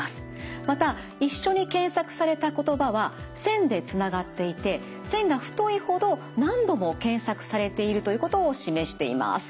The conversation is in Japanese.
また一緒に検索された言葉は線でつながっていて線が太いほど何度も検索されているということを示しています。